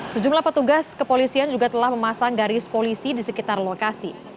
sejumlah petugas kepolisian juga telah memasang garis polisi di sekitar lokasi